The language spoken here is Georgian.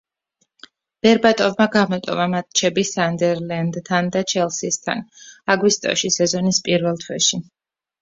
ბერბატოვმა გამოტოვა მატჩები „სანდერლენდთან“ და „ჩელსისთან“ აგვისტოში, სეზონის პირველ თვეში.